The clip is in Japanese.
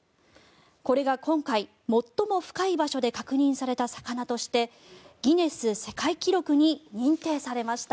これが今回、最も深い場所で確認された魚としてギネス世界記録に認定されました。